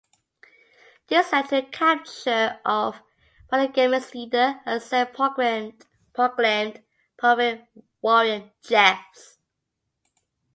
This led to the capture of polygamist leader and self-proclaimed prophet Warren Jeffs.